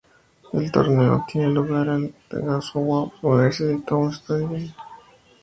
El torneo tiene lugar en el Guangzhou University Town Stadium de Guangzhou.